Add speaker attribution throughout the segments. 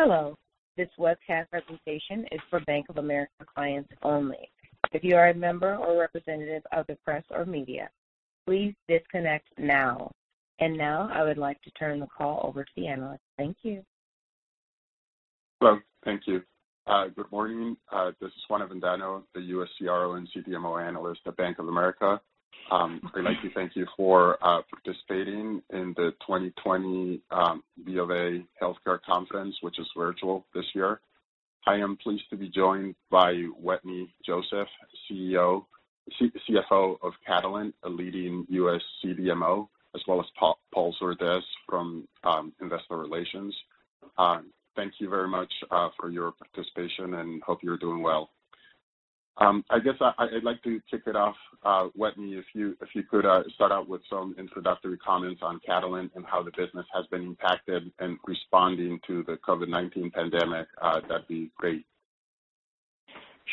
Speaker 1: Hello. This webcast presentation is for Bank of America clients only. If you are a member or representative of the press or media, please disconnect now, and now I would like to turn the call over to the analyst. Thank you.
Speaker 2: Hello. Thank you. Good morning. This is Juan Avendano, the U.S. CRO and CDMO analyst at Bank of America. I'd like to thank you for participating in the 2020 BofA Healthcare Conference, which is virtual this year. I am pleased to be joined by Wetteny Joseph, CFO of Catalent, a leading U.S. CDMO, as well as Paul Surdez from Investor Relations. Thank you very much for your participation, and hope you're doing well. I guess I'd like to kick it off, Wetteny, if you could start out with some introductory comments on Catalent and how the business has been impacted in responding to the COVID-19 pandemic. That'd be great.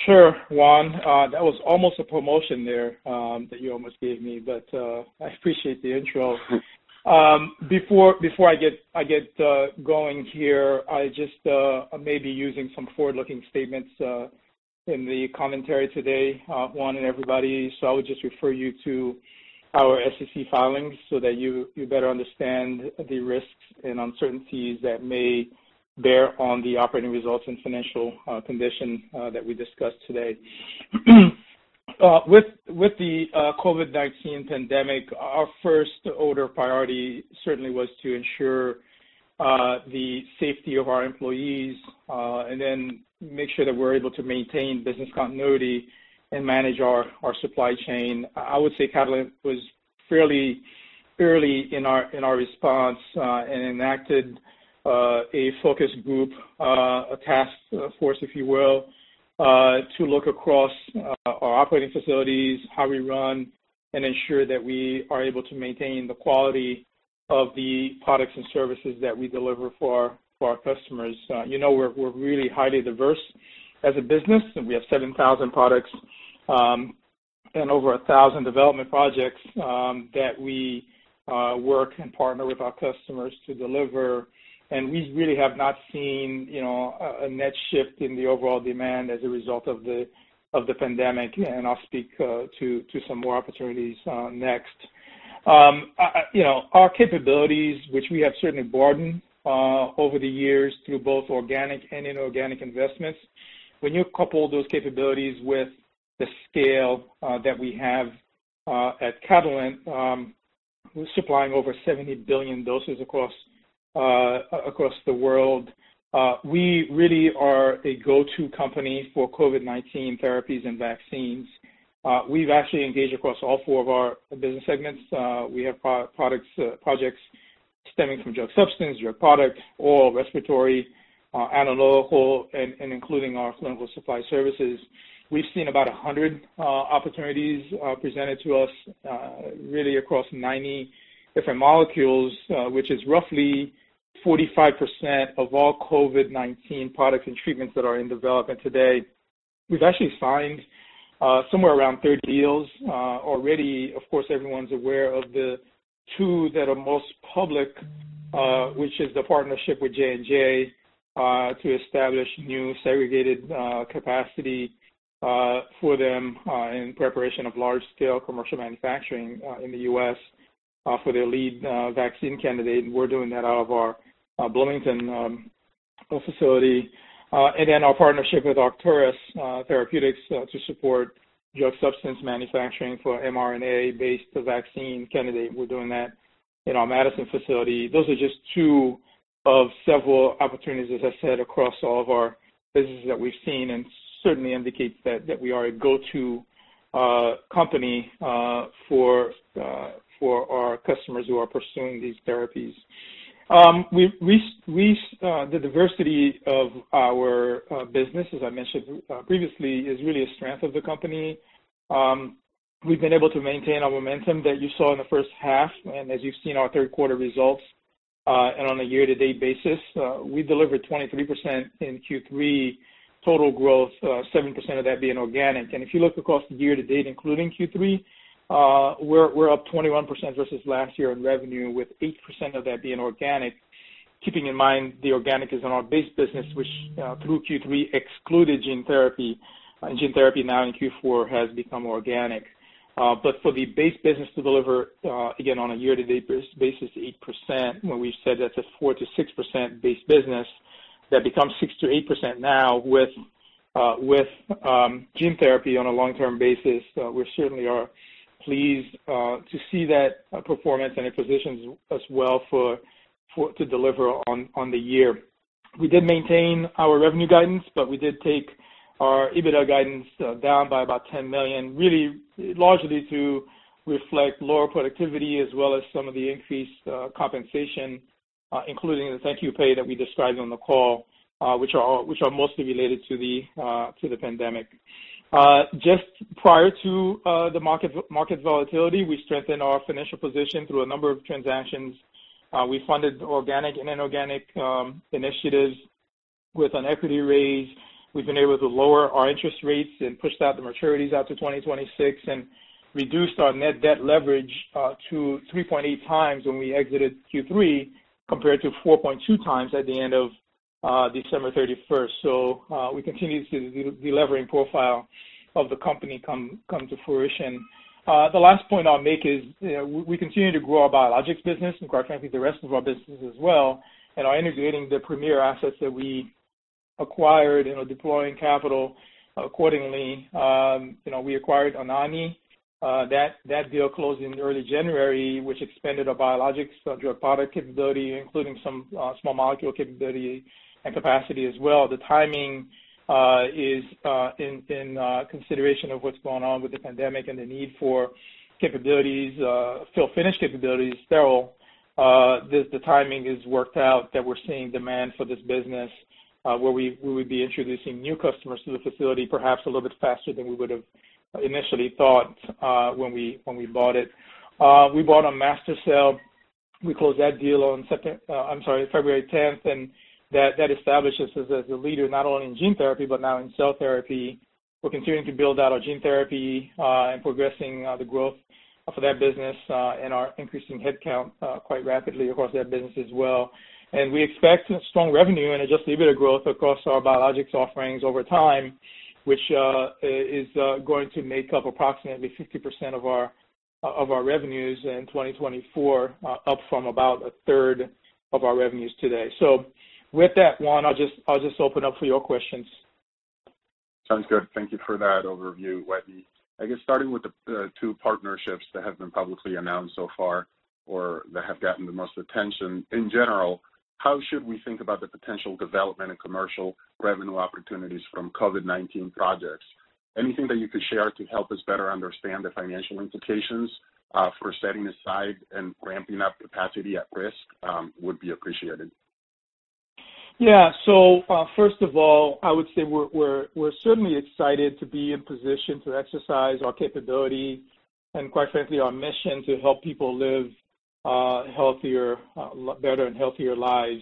Speaker 3: Sure, Juan. That was almost a promotion there that you almost gave me, but I appreciate the intro. Before I get going here, I just may be using some forward-looking statements in the commentary today, Juan and everybody. So I would just refer you to our SEC filings so that you better understand the risks and uncertainties that may bear on the operating results and financial condition that we discussed today. With the COVID-19 pandemic, our first order of priority certainly was to ensure the safety of our employees and then make sure that we're able to maintain business continuity and manage our supply chain. I would say Catalent was fairly early in our response and enacted a focus group, a task force, if you will, to look across our operating facilities, how we run, and ensure that we are able to maintain the quality of the products and services that we deliver for our customers. You know we're really highly diverse as a business, and we have 7,000 products and over 1,000 development projects that we work and partner with our customers to deliver. And we really have not seen a net shift in the overall demand as a result of the pandemic. And I'll speak to some more opportunities next. Our capabilities, which we have certainly broadened over the years through both organic and inorganic investments, when you couple those capabilities with the scale that we have at Catalent, supplying over 70 billion doses across the world, we really are a go-to company for COVID-19 therapies and vaccines. We've actually engaged across all four of our business segments. We have projects stemming from drug substance, drug product, oral respiratory, analog, and including our clinical supply services. We've seen about 100 opportunities presented to us, really across 90 different molecules, which is roughly 45% of all COVID-19 products and treatments that are in development today. We've actually signed somewhere around 30 deals already. Of course, everyone's aware of the two that are most public, which is the partnership with J&J to establish new segregated capacity for them in preparation of large-scale commercial manufacturing in the U.S. for their lead vaccine candidate. And we're doing that out of our Bloomington facility. And then our partnership with Arcturus Therapeutics to support drug substance manufacturing for mRNA-based vaccine candidate. We're doing that in our Madison facility. Those are just two of several opportunities, as I said, across all of our businesses that we've seen and certainly indicate that we are a go-to company for our customers who are pursuing these therapies. The diversity of our business, as I mentioned previously, is really a strength of the company. We've been able to maintain our momentum that you saw in the first half. And as you've seen our third-quarter results, and on a year-to-date basis, we delivered 23% in Q3, total growth, 7% of that being organic. And if you look across the year-to-date, including Q3, we're up 21% versus last year in revenue, with 8% of that being organic, keeping in mind the organic is in our base business, which through Q3 excluded gene therapy. And gene therapy now in Q4 has become organic. But for the base business to deliver, again, on a year-to-date basis, 8%, when we said that's a 4%-6% base business, that becomes 6%-8% now with gene therapy on a long-term basis. We certainly are pleased to see that performance and acquisitions as well to deliver on the year. We did maintain our revenue guidance, but we did take our EBITDA guidance down by about $10 million, really largely to reflect lower productivity as well as some of the increased compensation, including the thank-you pay that we described on the call, which are mostly related to the pandemic. Just prior to the market volatility, we strengthened our financial position through a number of transactions. We funded organic and inorganic initiatives with an equity raise. We've been able to lower our interest rates and pushed out the maturities out to 2026 and reduced our net debt leverage to 3.8x when we exited Q3 compared to 4.2x at the end of December 31st. So we continue to see the delivering profile of the company come to fruition. The last point I'll make is we continue to grow our biologics business, and quite frankly, the rest of our business as well. We're integrating the premier assets that we acquired and are deploying capital accordingly. We acquired Anagni. That deal closed in early January, which expanded our biologics drug product capability, including some small molecule capability and capacity as well. The timing is in consideration of what's going on with the pandemic and the need for capabilities, fill-finish capabilities, sterile. The timing is worked out that we're seeing demand for this business where we would be introducing new customers to the facility, perhaps a little bit faster than we would have initially thought when we bought it. We bought a MaSTherCell. We closed that deal on, I'm sorry, February 10th, and that establishes us as a leader not only in gene therapy, but now in cell therapy. We're continuing to build out our gene therapy and progressing the growth for that business and our increasing headcount quite rapidly across that business as well. And we expect strong revenue and just a little bit of growth across our biologics offerings over time, which is going to make up approximately 50% of our revenues in 2024, up from about a third of our revenues today. So with that, Juan, I'll just open up for your questions.
Speaker 2: Sounds good. Thank you for that overview, Wetteny. I guess starting with the two partnerships that have been publicly announced so far or that have gotten the most attention. In general, how should we think about the potential development and commercial revenue opportunities from COVID-19 projects? Anything that you could share to help us better understand the financial implications for setting aside and ramping up capacity at risk would be appreciated.
Speaker 3: Yeah. So first of all, I would say we're certainly excited to be in position to exercise our capability and, quite frankly, our mission to help people live healthier, better, and healthier lives.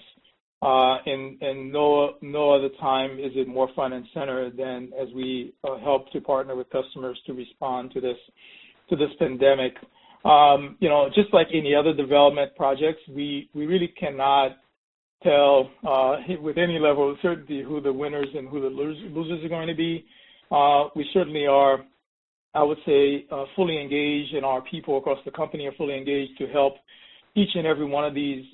Speaker 3: And no other time is it more front and center than as we help to partner with customers to respond to this pandemic. Just like any other development projects, we really cannot tell with any level of certainty who the winners and who the losers are going to be. We certainly are, I would say, fully engaged, and our people across the company are fully engaged to help each and every one of these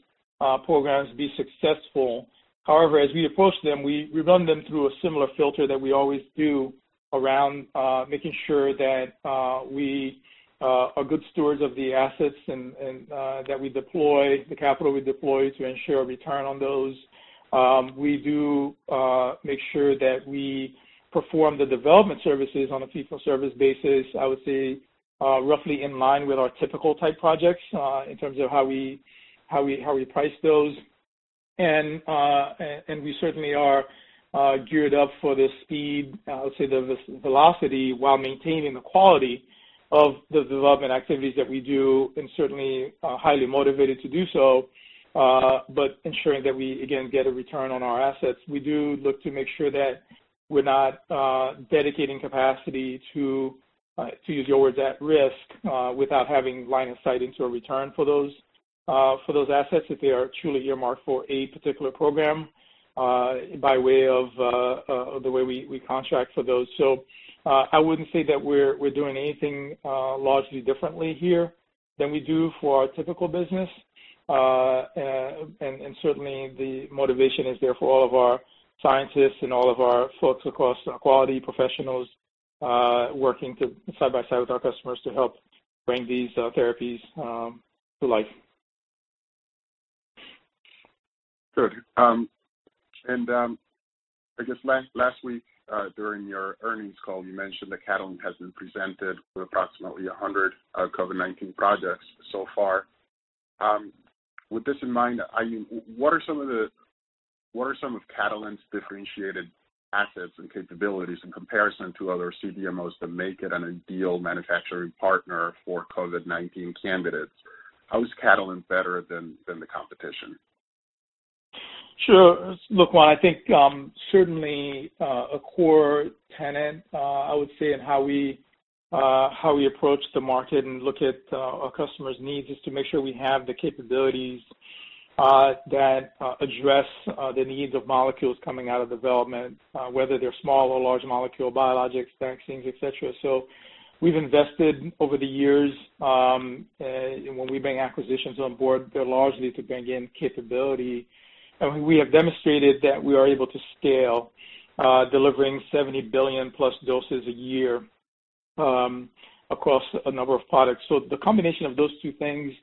Speaker 3: programs be successful. However, as we approach them, we run them through a similar filter that we always do around making sure that we are good stewards of the assets and that we deploy the capital we deploy to ensure a return on those. We do make sure that we perform the development services on a fee-for-service basis, I would say, roughly in line with our typical type projects in terms of how we price those, and we certainly are geared up for the speed, I would say, the velocity while maintaining the quality of the development activities that we do and certainly highly motivated to do so, but ensuring that we, again, get a return on our assets. We do look to make sure that we're not dedicating capacity to, to use your words, at risk without having line of sight into a return for those assets if they are truly earmarked for a particular program by way of the way we contract for those, so I wouldn't say that we're doing anything largely differently here than we do for our typical business, and certainly, the motivation is there for all of our scientists and all of our folks across quality professionals working side by side with our customers to help bring these therapies to life.
Speaker 4: Good. And I guess last week during your earnings call, you mentioned that Catalent has been presented with approximately a hundred COVID-19 projects so far. With this in mind, I mean, what are some of Catalent's differentiated assets and capabilities in comparison to other CDMOs that make it an ideal manufacturing partner for COVID-19 candidates? How is Catalent better than the competition?
Speaker 3: Sure. Look, Juan, I think certainly a core tenet, I would say, in how we approach the market and look at our customers' needs is to make sure we have the capabilities that address the needs of molecules coming out of development, whether they're small or large molecule, biologics, vaccines, etc. So we've invested over the years, and when we bring acquisitions on board, they're largely to bring in capability. And we have demonstrated that we are able to scale, delivering 70 billion-plus doses a year across a number of products. So the combination of those two things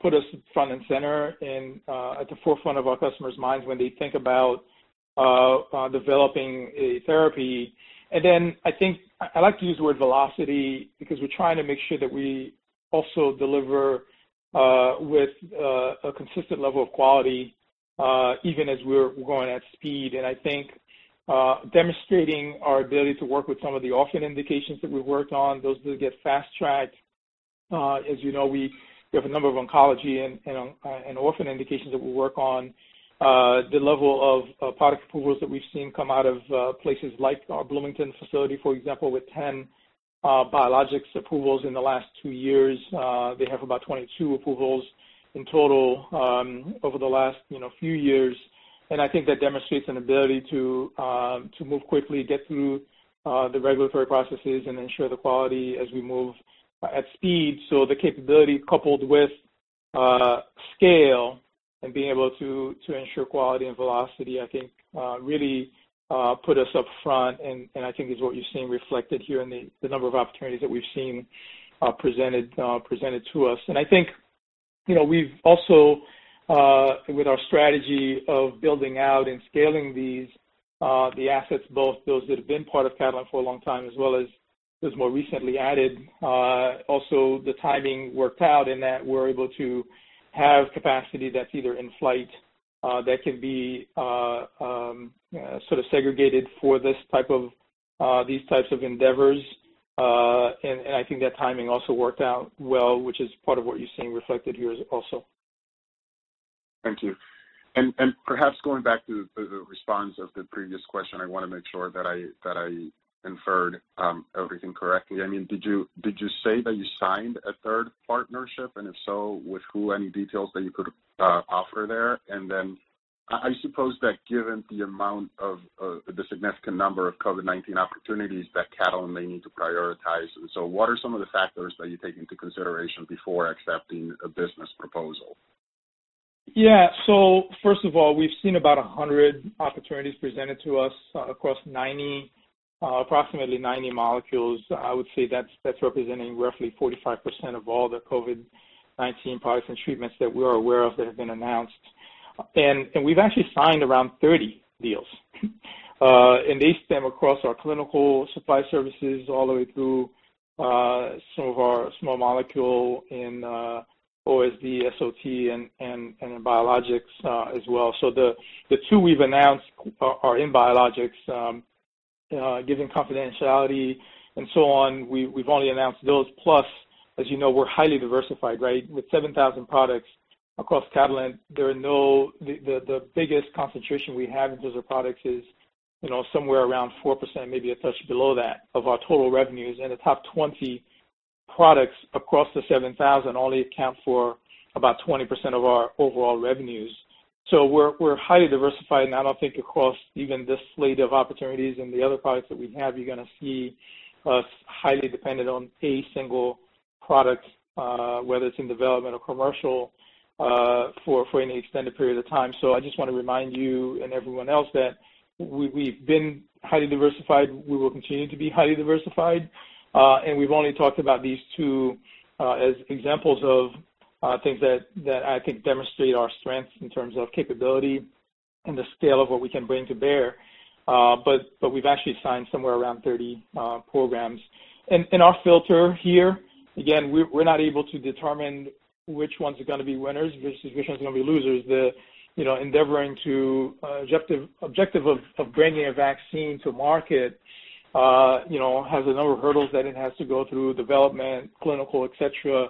Speaker 3: put us front and center and at the forefront of our customers' minds when they think about developing a therapy. And then I think I like to use the word velocity because we're trying to make sure that we also deliver with a consistent level of quality, even as we're going at speed. I think demonstrating our ability to work with some of the orphan indications that we've worked on, those do get fast-tracked. As you know, we have a number of oncology and orphan indications that we work on. The level of product approvals that we've seen come out of places like our Bloomington facility, for example, with 10 biologics approvals in the last two years. They have about 22 approvals in total over the last few years. And I think that demonstrates an ability to move quickly, get through the regulatory processes, and ensure the quality as we move at speed. The capability coupled with scale and being able to ensure quality and velocity, I think, really put us up front. I think it's what you've seen reflected here in the number of opportunities that we've seen presented to us. I think we've also, with our strategy of building out and scaling these, the assets, both those that have been part of Catalent for a long time as well as those more recently added, also the timing worked out in that we're able to have capacity that's either in flight that can be sort of segregated for this type of endeavors. I think that timing also worked out well, which is part of what you're seeing reflected here also.
Speaker 2: Thank you. And perhaps going back to the response of the previous question, I want to make sure that I inferred everything correctly. I mean, did you say that you signed a third partnership? And if so, with who, any details that you could offer there? And then I suppose that given the amount of the significant number of COVID-19 opportunities that Catalent may need to prioritize, and so what are some of the factors that you take into consideration before accepting a business proposal?
Speaker 3: Yeah. So first of all, we've seen about 100 opportunities presented to us across approximately 90 molecules. I would say that's representing roughly 45% of all the COVID-19 products and treatments that we are aware of that have been announced. And we've actually signed around 30 deals. And they stem across our clinical supply services all the way through some of our small molecule in OSD, SOT, and in biologics as well. So the two we've announced are in biologics. Given confidentiality and so on, we've only announced those. Plus, as you know, we're highly diversified, right? With 7,000 products across Catalent, the biggest concentration we have in those products is somewhere around 4%, maybe a touch below that of our total revenues. And the top 20 products across the 7,000 only account for about 20% of our overall revenues. So we're highly diversified. And I don't think across even this slate of opportunities and the other products that we have, you're going to see us highly dependent on a single product, whether it's in development or commercial for any extended period of time. So I just want to remind you and everyone else that we've been highly diversified. We will continue to be highly diversified. And we've only talked about these two as examples of things that I think demonstrate our strengths in terms of capability and the scale of what we can bring to bear. But we've actually signed somewhere around 30 programs. And our filter here, again, we're not able to determine which ones are going to be winners versus which ones are going to be losers. The endeavor, the objective of bringing a vaccine to market has a number of hurdles that it has to go through: development, clinical, etc.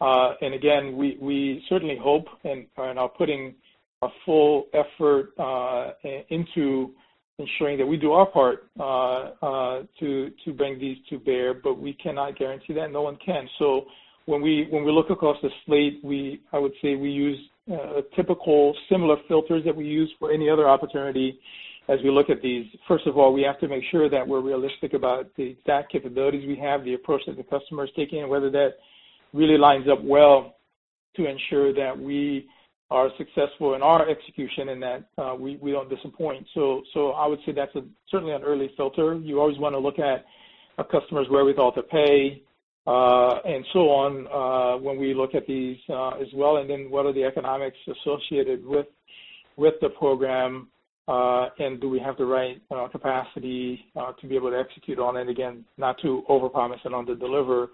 Speaker 3: And again, we certainly hope and are putting our full effort into ensuring that we do our part to bring these to bear. But we cannot guarantee that. No one can. So when we look across the slate, I would say we use a typical similar filter that we use for any other opportunity as we look at these. First of all, we have to make sure that we're realistic about the exact capabilities we have, the approach that the customer is taking, and whether that really lines up well to ensure that we are successful in our execution and that we don't disappoint. So I would say that's certainly an early filter. You always want to look at a customer's wherewithal to pay and so on when we look at these as well. And then what are the economics associated with the program? And do we have the right capacity to be able to execute on it? Again, not to overpromise and under-deliver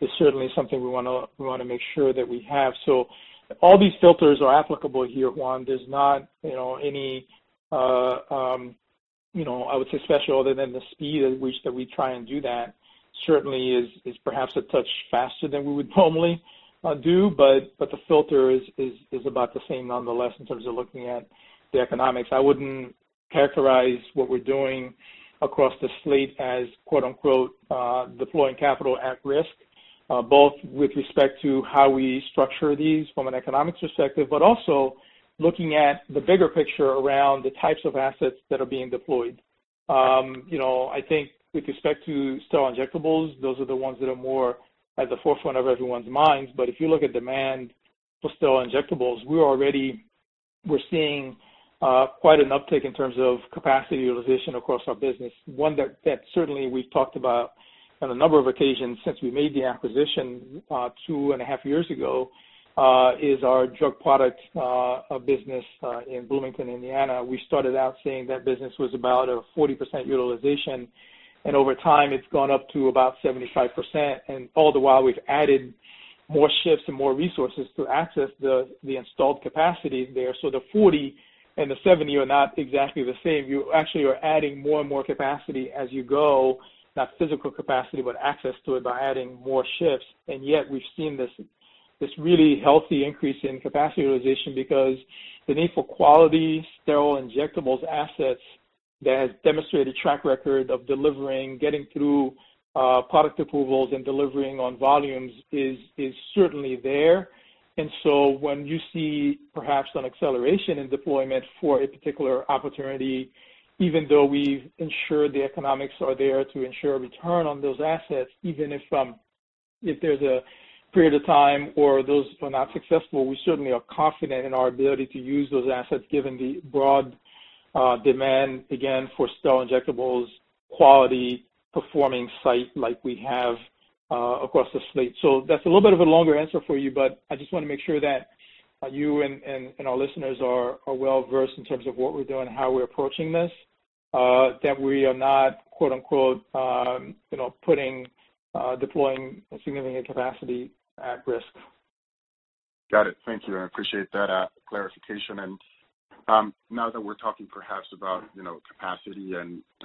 Speaker 3: is certainly something we want to make sure that we have. So all these filters are applicable here, Juan. There's not any, I would say, special other than the speed at which that we try and do that certainly is perhaps a touch faster than we would normally do. But the filter is about the same nonetheless in terms of looking at the economics. I wouldn't characterize what we're doing across the slate as "deploying capital at risk," both with respect to how we structure these from an economic perspective, but also looking at the bigger picture around the types of assets that are being deployed. I think with respect to sterile injectables, those are the ones that are more at the forefront of everyone's minds. But if you look at demand for sterile injectables, we're seeing quite an uptick in terms of capacity utilization across our business. One that certainly we've talked about on a number of occasions since we made the acquisition two and a half years ago is our drug product business in Bloomington, Indiana. We started out saying that business was about a 40% utilization. And over time, it's gone up to about 75%. And all the while, we've added more shifts and more resources to access the installed capacity there. So the 40 and the 70 are not exactly the same. You actually are adding more and more capacity as you go, not physical capacity, but access to it by adding more shifts. And yet, we've seen this really healthy increase in capacity utilization because the need for quality sterile injectables assets that has demonstrated a track record of delivering, getting through product approvals, and delivering on volumes is certainly there. And so when you see perhaps an acceleration in deployment for a particular opportunity, even though we've ensured the economics are there to ensure a return on those assets, even if there's a period of time or those are not successful, we certainly are confident in our ability to use those assets given the broad demand, again, for sterile injectables quality performing site like we have across the slate. That's a little bit of a longer answer for you, but I just want to make sure that you and our listeners are well-versed in terms of what we're doing and how we're approaching this, that we are not putting significant capacity at risk.
Speaker 2: Got it. Thank you. I appreciate that clarification. And now that we're talking perhaps about capacity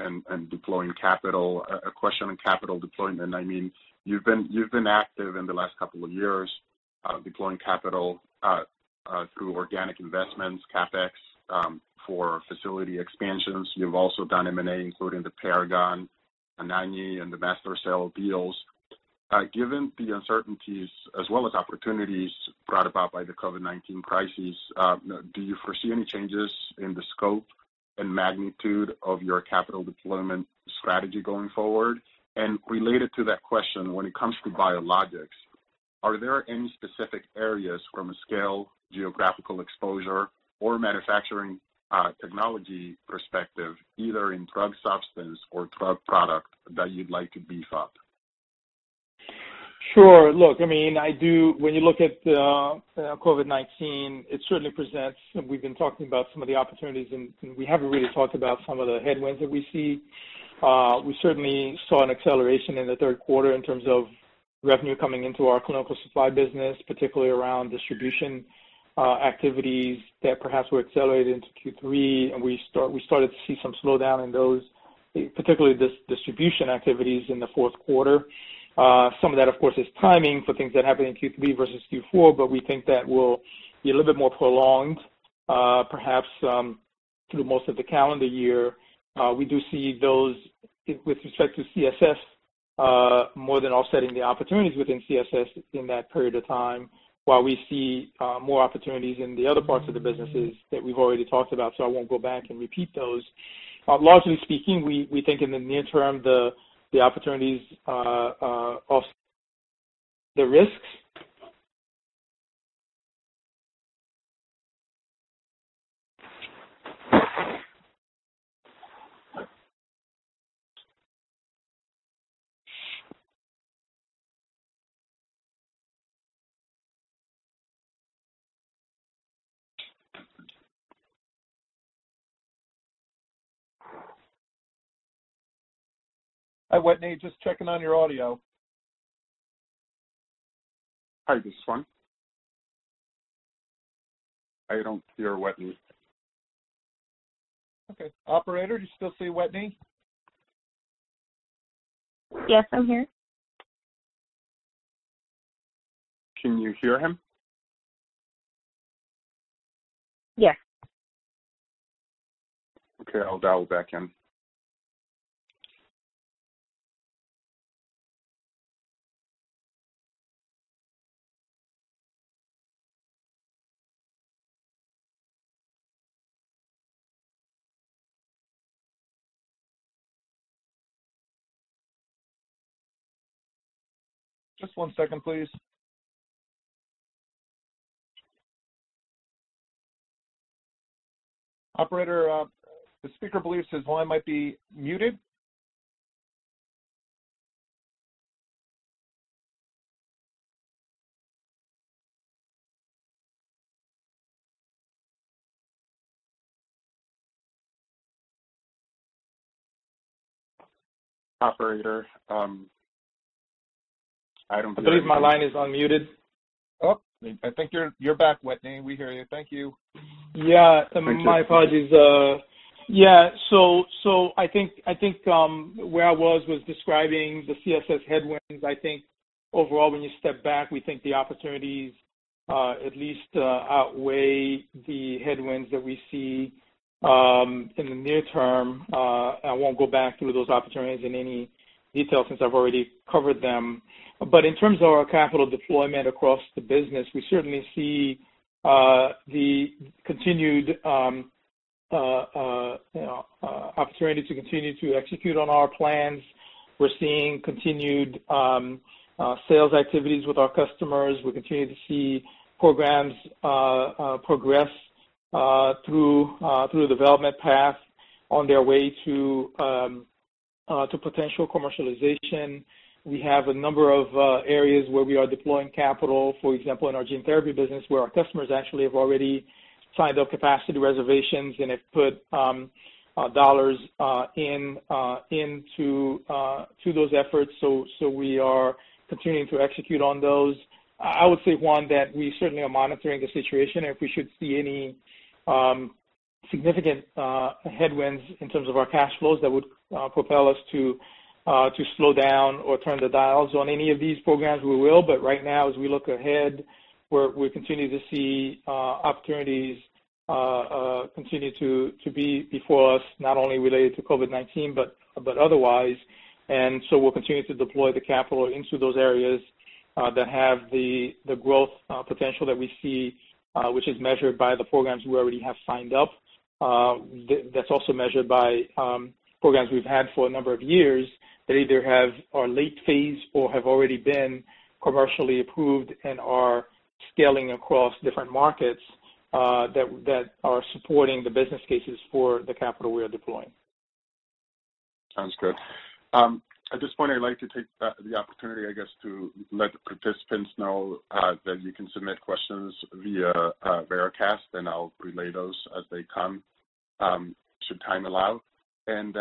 Speaker 2: and deploying capital, a question on capital deployment. I mean, you've been active in the last couple of years deploying capital through organic investments, CapEx for facility expansions. You've also done M&A, including the Paragon, Anagni, and the MaSTherCell deals. Given the uncertainties as well as opportunities brought about by the COVID-19 crisis, do you foresee any changes in the scope and magnitude of your capital deployment strategy going forward? And related to that question, when it comes to biologics, are there any specific areas from a scale, geographical exposure, or manufacturing technology perspective, either in drug substance or drug product, that you'd like to beef up?
Speaker 3: Sure. Look, I mean, when you look at COVID-19, it certainly presents, and we've been talking about some of the opportunities, and we haven't really talked about some of the headwinds that we see. We certainly saw an acceleration in the third quarter in terms of revenue coming into our clinical supply business, particularly around distribution activities that perhaps were accelerated into Q3. And we started to see some slowdown in those, particularly distribution activities in the fourth quarter. Some of that, of course, is timing for things that happen in Q3 versus Q4, but we think that will be a little bit more prolonged, perhaps through most of the calendar year. We do see those with respect to CSS more than offsetting the opportunities within CSS in that period of time, while we see more opportunities in the other parts of the businesses that we've already talked about. So I won't go back and repeat those. But largely speaking, we think in the near term, the opportunities offset the risks.
Speaker 5: Hi, Wetteny. Just checking on your audio.
Speaker 2: Hi, this is Juan. I don't hear Wetteny.
Speaker 5: Okay. Operator, do you still see Wetteny?
Speaker 1: Yes, I'm here.
Speaker 2: Can you hear him?
Speaker 1: Yes.
Speaker 2: Okay. I'll dial back in.
Speaker 5: Just one second, please. Operator, the speaker believes his line might be muted.
Speaker 2: Operator, I don't believe.
Speaker 3: I believe my line is unmuted.
Speaker 5: Oh, I think you're back, Wetteny. We hear you. Thank you.
Speaker 3: Yeah. My apologies. Yeah. So I think where I was describing the CSS headwinds. I think overall, when you step back, we think the opportunities at least outweigh the headwinds that we see in the near term. I won't go back through those opportunities in any detail since I've already covered them. But in terms of our capital deployment across the business, we certainly see the continued opportunity to continue to execute on our plans. We're seeing continued sales activities with our customers. We continue to see programs progress through the development path on their way to potential commercialization. We have a number of areas where we are deploying capital, for example, in our gene therapy business, where our customers actually have already signed up capacity reservations and have put dollars into those efforts. So we are continuing to execute on those. I would say, Juan, that we certainly are monitoring the situation. If we should see any significant headwinds in terms of our cash flows that would propel us to slow down or turn the dials on any of these programs, we will. But right now, as we look ahead, we're continuing to see opportunities continue to be before us, not only related to COVID-19, but otherwise. And so we'll continue to deploy the capital into those areas that have the growth potential that we see, which is measured by the programs we already have signed up. That's also measured by programs we've had for a number of years that either are late phase or have already been commercially approved and are scaling across different markets that are supporting the business cases for the capital we are deploying.
Speaker 4: Sounds good. At this point, I'd like to take the opportunity, I guess, to let the participants know that you can submit questions via Veracast, and I'll relay those as they come should time allow. And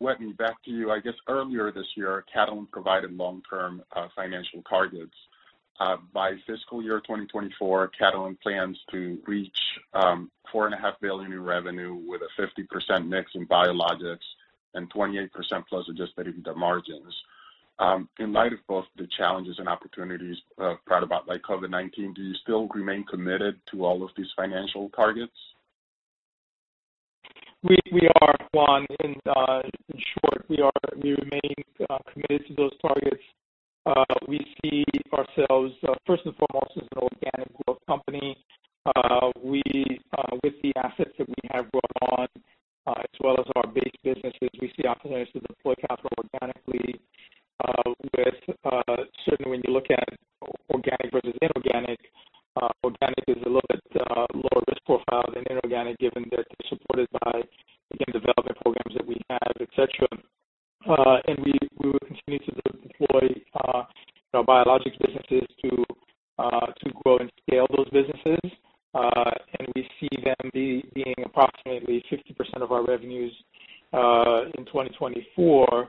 Speaker 4: Wetteny, back to you. I guess earlier this year, Catalent provided long-term financial targets. By fiscal year 2024, Catalent plans to reach $4.5 billion in revenue with a 50% mix in biologics and 28% plus adjusted EBITDA margins. In light of both the challenges and opportunities brought about by COVID-19, do you still remain committed to all of these financial targets?
Speaker 3: We are, Juan. In short, we remain committed to those targets. We see ourselves, first and foremost, as an organic growth company. With the assets that we have brought on, as well as our base businesses, we see opportunities to deploy capital organically. Certainly, when you look at organic versus inorganic, organic is a little bit lower risk profile than inorganic given that they're supported by, again, development programs that we have, etc. And we will continue to deploy biologics businesses to grow and scale those businesses. And we see them being approximately 50% of our revenues in 2024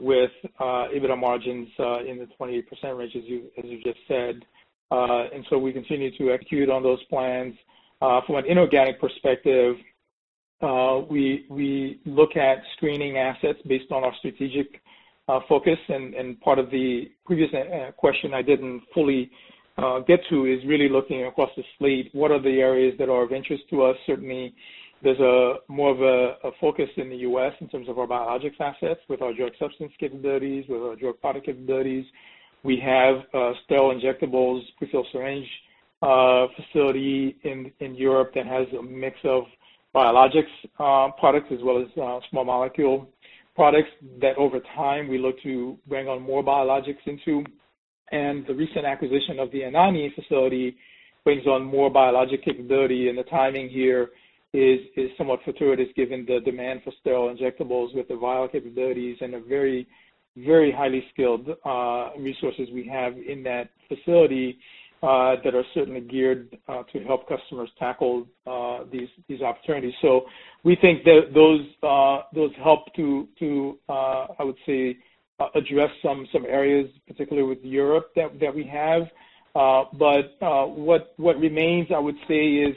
Speaker 3: with EBITDA margins in the 28% range, as you just said. And so we continue to execute on those plans. From an inorganic perspective, we look at screening assets based on our strategic focus. And part of the previous question I didn't fully get to is really looking across the slate. What are the areas that are of interest to us? Certainly, there's more of a focus in the U.S. in terms of our biologics assets with our drug substance capabilities, with our drug product capabilities. We have a sterile injectables pre-filled syringe facility in Europe that has a mix of biologics products as well as small molecule products that over time, we look to bring on more biologics into. And the recent acquisition of the Anagni facility brings on more biologic capability. And the timing here is somewhat fortuitous given the demand for sterile injectables with the vial capabilities and the very, very highly skilled resources we have in that facility that are certainly geared to help customers tackle these opportunities. So we think that those help to, I would say, address some areas, particularly with Europe that we have. But what remains, I would say, is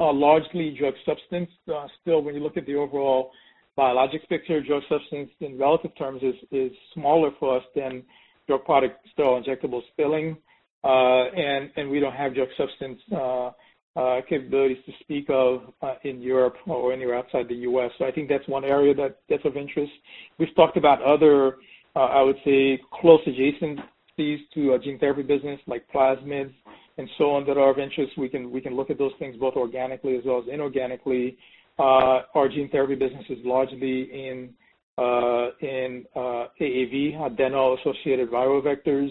Speaker 3: largely drug substance. Still, when you look at the overall biologics picture, drug substance in relative terms is smaller for us than drug product sterile injectables filling. And we don't have drug substance capabilities to speak of in Europe or anywhere outside the U.S. So I think that's one area that's of interest. We've talked about other, I would say, close adjacencies to our gene therapy business, like plasmids and so on, that are of interest. We can look at those things both organically as well as inorganically. Our gene therapy business is largely in AAV, Adeno-Associated Viral vectors,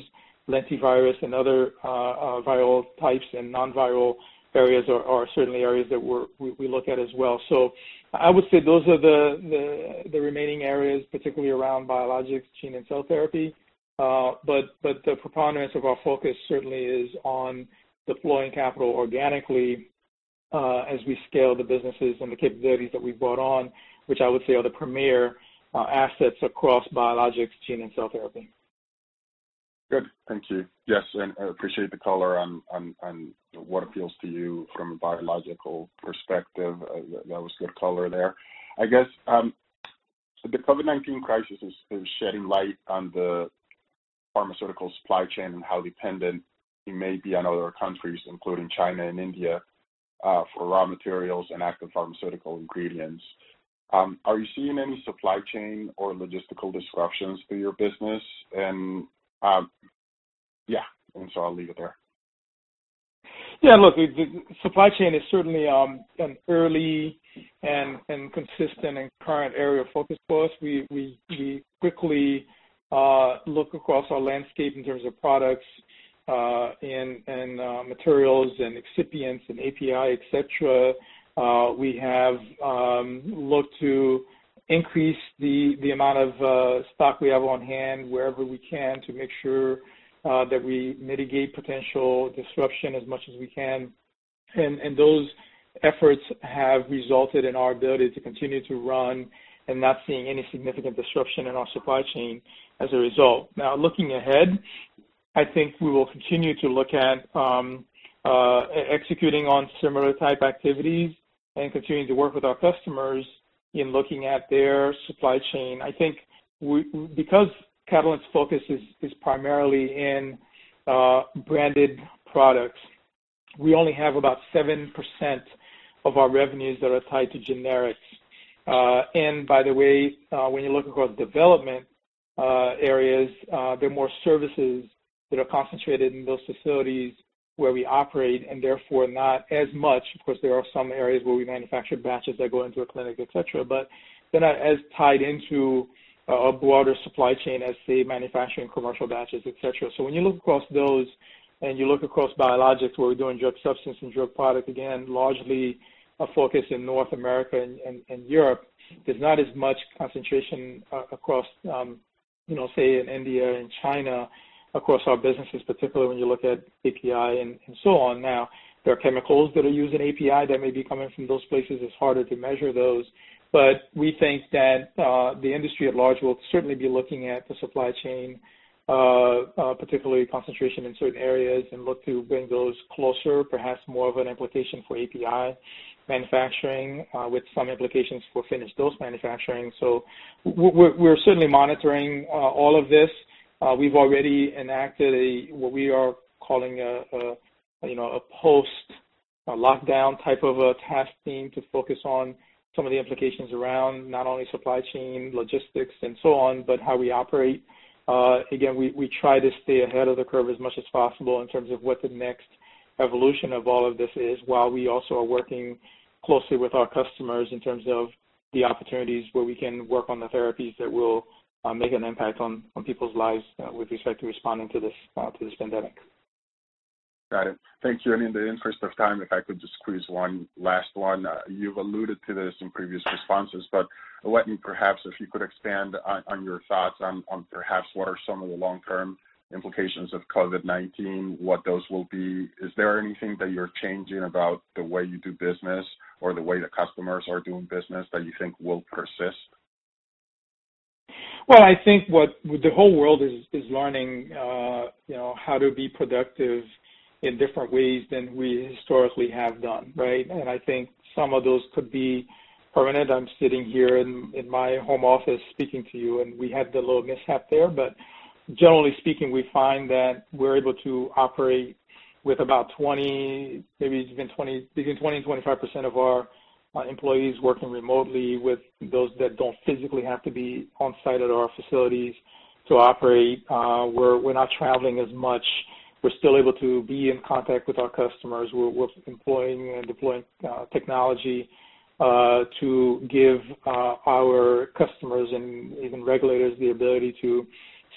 Speaker 3: lentivirus, and other viral types. And non-viral areas are certainly areas that we look at as well. So I would say those are the remaining areas, particularly around biologics, gene, and cell therapy. But the preponderance of our focus certainly is on deploying capital organically as we scale the businesses and the capabilities that we've brought on, which I would say are the premier assets across biologics, gene, and cell therapy.
Speaker 2: Good. Thank you. Yes. And I appreciate the color on what appeals to you from a biological perspective. That was good color there. I guess the COVID-19 crisis is shedding light on the pharmaceutical supply chain and how dependent you may be on other countries, including China and India, for raw materials and active pharmaceutical ingredients. Are you seeing any supply chain or logistical disruptions to your business? And yeah. And so I'll leave it there.
Speaker 3: Yeah. Look, supply chain is certainly an early and consistent and current area of focus for us. We quickly look across our landscape in terms of products and materials and excipients and API, etc. We have looked to increase the amount of stock we have on hand wherever we can to make sure that we mitigate potential disruption as much as we can. And those efforts have resulted in our ability to continue to run and not seeing any significant disruption in our supply chain as a result. Now, looking ahead, I think we will continue to look at executing on similar type activities and continuing to work with our customers in looking at their supply chain. I think because Catalent's focus is primarily in branded products, we only have about 7% of our revenues that are tied to generics. And by the way, when you look across development areas, they're more services that are concentrated in those facilities where we operate and therefore not as much (of course, there are some areas where we manufacture batches that go into a clinic, etc.) but they're not as tied into a broader supply chain as, say, manufacturing commercial batches, etc. So when you look across those and you look across biologics where we're doing drug substance and drug product, again, largely a focus in North America and Europe, there's not as much concentration across, say, in India and China across our businesses, particularly when you look at API and so on. Now, there are chemicals that are used in API that may be coming from those places. It's harder to measure those. but we think that the industry at large will certainly be looking at the supply chain, particularly concentration in certain areas, and look to bring those closer, perhaps more of an implication for API manufacturing with some implications for finished dose manufacturing, so we're certainly monitoring all of this. We've already enacted what we are calling a post-lockdown type of a task team to focus on some of the implications around not only supply chain, logistics, and so on, but how we operate. Again, we try to stay ahead of the curve as much as possible in terms of what the next evolution of all of this is while we also are working closely with our customers in terms of the opportunities where we can work on the therapies that will make an impact on people's lives with respect to responding to this pandemic.
Speaker 2: Got it. Thank you. And in the interest of time, if I could just squeeze one last one. You've alluded to this in previous responses, but Wetteny, perhaps if you could expand on your thoughts on perhaps what are some of the long-term implications of COVID-19, what those will be. Is there anything that you're changing about the way you do business or the way that customers are doing business that you think will persist?
Speaker 3: I think the whole world is learning how to be productive in different ways than we historically have done, right? I think some of those could be permanent. I'm sitting here in my home office speaking to you, and we had the little mishap there. Generally speaking, we find that we're able to operate with about 20%, maybe even 20%-25% of our employees working remotely with those that don't physically have to be on site at our facilities to operate. We're not traveling as much. We're still able to be in contact with our customers. We're employing and deploying technology to give our customers and even regulators the ability to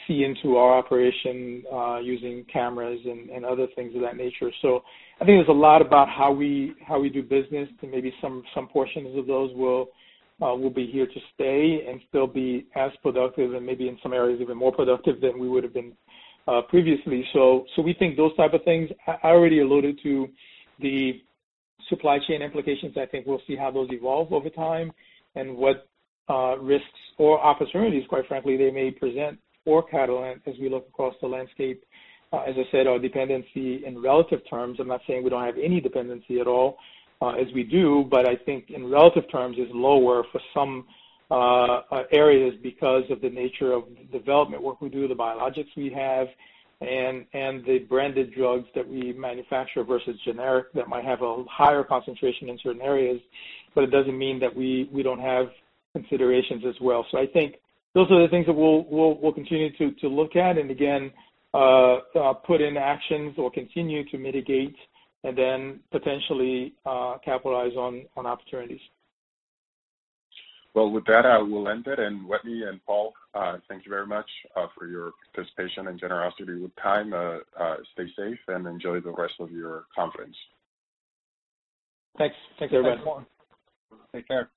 Speaker 3: see into our operation using cameras and other things of that nature. I think there's a lot about how we do business. Maybe some portions of those will be here to stay and still be as productive and maybe in some areas even more productive than we would have been previously. So we think those type of things. I already alluded to the supply chain implications. I think we'll see how those evolve over time and what risks or opportunities, quite frankly, they may present for Catalent as we look across the landscape. As I said, our dependency in relative terms. I'm not saying we don't have any dependency at all as we do. But I think in relative terms is lower for some areas because of the nature of the development work we do, the biologics we have, and the branded drugs that we manufacture versus generic that might have a higher concentration in certain areas. But it doesn't mean that we don't have considerations as well. So I think those are the things that we'll continue to look at and, again, put in actions or continue to mitigate and then potentially capitalize on opportunities.
Speaker 2: With that, I will end it. Wetteny and Paul, thank you very much for your participation and generosity with time. Stay safe and enjoy the rest of your conference.
Speaker 3: Thanks. Thanks very much.
Speaker 2: Take care.